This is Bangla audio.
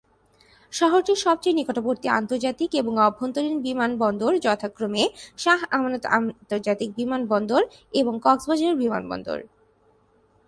শহরটির সবচেয়ে নিকটবর্তী আন্তর্জাতিক এবং অভ্যন্তরীণ বিমানবন্দর যথাক্রমে শাহ আমানত আন্তর্জাতিক বিমানবন্দর এবং কক্সবাজার বিমানবন্দর।